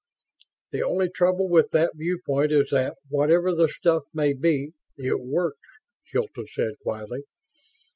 "The only trouble with that viewpoint is that, whatever the stuff may be, it works," Hilton said, quietly.